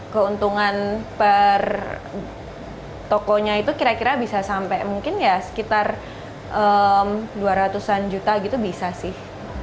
keuntungan per tokonya itu kira kira bisa sampai mungkin ya sekitar dua ratus an juta gitu bisa sih